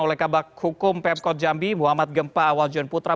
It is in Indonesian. oleh kabar hukum pemkot jambi muhammad gempa awal juan putra